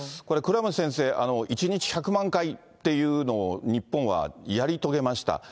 これ、倉持先生、１日１００万回っていうのを日本はやり遂げました。